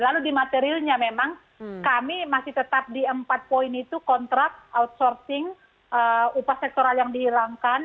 lalu di materialnya memang kami masih tetap di empat poin itu kontrak outsourcing upah sektoral yang dihilangkan